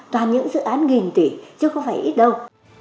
toàn những dự án nghìn tỷ chứ không phải ít đâu